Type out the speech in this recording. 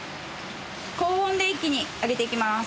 高温で一気に揚げていきます。